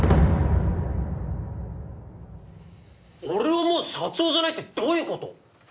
俺はもう社長じゃないってどういうこと？